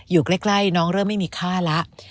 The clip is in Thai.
อยู่ใกล้น้องเริ่มไม่มีค่าแล้ว